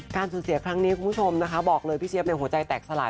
สูญเสียครั้งนี้คุณผู้ชมนะคะบอกเลยพี่เจี๊ยบในหัวใจแตกสลาย